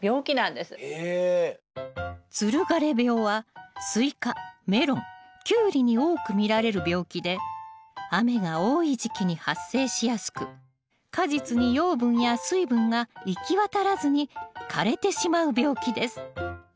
つる枯病はスイカメロンキュウリに多く見られる病気で雨が多い時期に発生しやすく果実に養分や水分が行き渡らずに枯れてしまう病気です。